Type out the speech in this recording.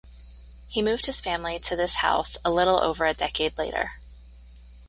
He moved his family to this house a little over a decade later.